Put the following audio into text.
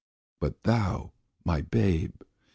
But thou, my babe!